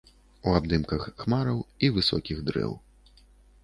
У абдымках хмараў і высокіх дрэў.